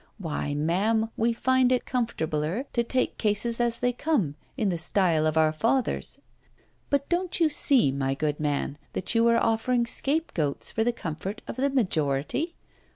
Why, ma'am, we find it comfortabler to take cases as they come, in the style of our fathers. But don't you see, my good man, that you are offering scapegoats for the comfort of the majority?